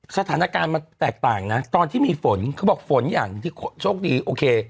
สถานการณ์มันแตกต่างนะตอนที่มีฝนเขาบอกฝนอย่างที่โชคดีโอเค